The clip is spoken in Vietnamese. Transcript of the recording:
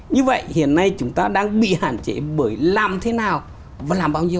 như vậy hiện nay chúng ta đang bị hạn chế bởi làm thế nào và làm bao nhiêu